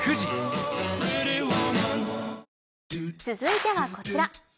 続いてはこちら。